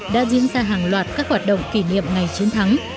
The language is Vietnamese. đã diễn ra hàng loạt các hoạt động kỷ niệm ngày chiến thắng